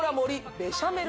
ベシャメル